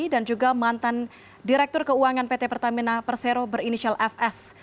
dan juga mantan direktur keuangan pt pertamina persero berinisial fs